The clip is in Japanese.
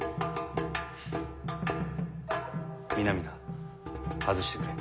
皆々外してくれ。